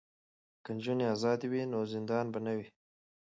که نجونې ازادې وي نو زندان به نه وي.